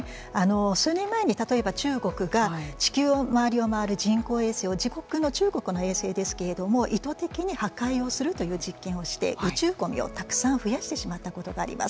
数年前に例えば中国が地球の周りを回る人工衛星を自国の中国の衛星ですけれども意図的に破壊をするという実験をして宇宙ごみを、たくさん増やしてしまったことがあります。